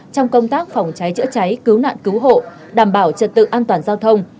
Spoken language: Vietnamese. trong công tác phòng cháy chữa cháy cứu nạn cứu hộ đảm bảo trật tự an toàn giao thông